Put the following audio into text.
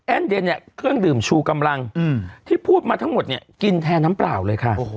เดนเนี่ยเครื่องดื่มชูกำลังที่พูดมาทั้งหมดเนี่ยกินแทนน้ำเปล่าเลยค่ะ